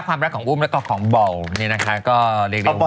คำนักของอุ้มและก็ของเบ่านี่นะคะก็เรียกเรียกว่า